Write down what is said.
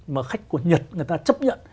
mà khách của nhật người ta chấp nhận